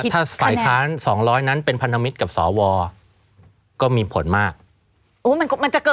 ถ้าฝ่ายค้าน๒๐๐นั้นเป็นพันธมิตรกับสวก็มีผลมาก